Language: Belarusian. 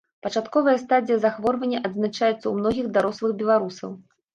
Пачатковая стадыя захворвання адзначаецца ў многіх дарослых беларусаў.